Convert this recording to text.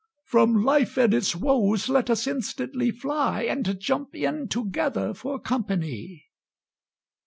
"From life and its woes let us instantly fly, And jump in together for company!"